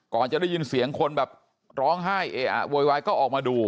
จะได้ยินเสียงคนแบบร้องไห้เออะโวยวายก็ออกมาดู